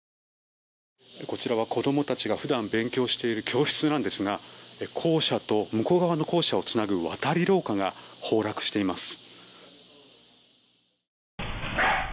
こちらは子供たちが普段、勉強している教室なんですが校舎と向こう側の校舎をつなぐ渡り廊下が崩落しています。